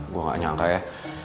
gue gak nyangka ya